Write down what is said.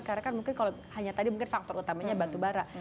karena kan mungkin kalau hanya tadi mungkin faktor utamanya batu bara